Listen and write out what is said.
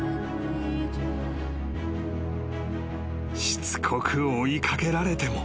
［しつこく追い掛けられても］